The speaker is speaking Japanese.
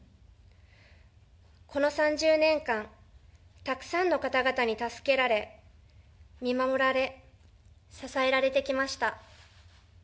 この３０年間、たくさんの方々に助けられ、見守られ、支えられてきました。